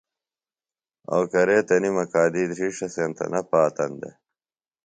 او کرے تنِم اکادُئی دھرِیݜٹہ سینتہ نہ پاتن دےۡ